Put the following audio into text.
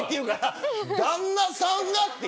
旦那さんがって。